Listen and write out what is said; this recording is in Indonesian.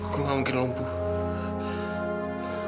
gue gak mungkin lumpuh